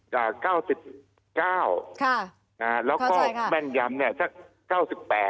แล้วก็แม่นยำ